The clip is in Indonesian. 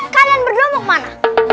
kalian berdua mau kemana